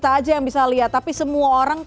tinggal cari kendaraan tinggal cari metode yang tepat